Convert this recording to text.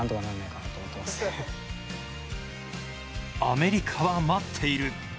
アメリカは待っている。